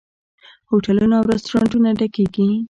هوټلونه او رستورانتونه ډکیږي.